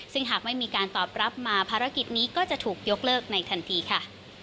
ซึ่งหากไม่มีการตอบรับมาภารกิจนี้ก็จะถูกยกเลิกในทันทีค่ะ